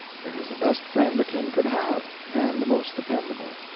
It was the best friend a king could have, and the most dependable.